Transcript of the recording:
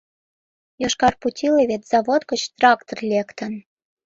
«Йошкар путиловец» завод гыч трактор лектын.